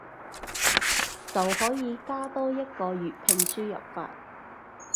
就可以加多一個粵拼輸入法